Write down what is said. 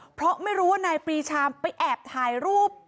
เพราะไม่รู้ว่านายปรีชาไปแอบถ่ายรูป